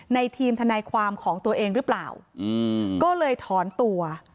ทีมทนายความของตัวเองหรือเปล่าก็เลยถอนตัว